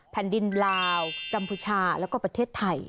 แผ่นดินลาวกัมพูชาแล้วก็ประเทศไทย